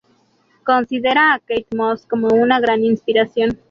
Considera a Kate Moss como una gran inspiración.